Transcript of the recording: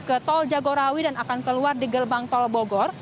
ke tol jagorawi dan akan keluar di gerbang tol bogor